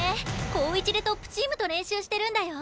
高１でトップチームと練習してるんだよ。